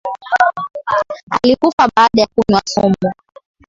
Alikufa baada ya kunywa sumu